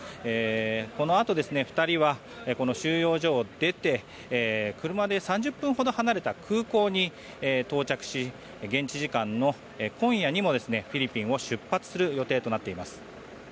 このあと２人は収容所を出て車で３０分ほど離れた空港に到着し現地時間の今夜にもフィリピンを出発する予定となっています。